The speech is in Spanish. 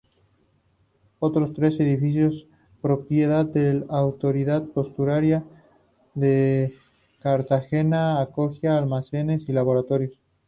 Otros tres edificios, propiedad de la Autoridad Portuaria de Cartagena acogían almacenes y laboratorios.